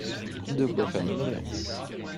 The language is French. De quoi faire une omelette !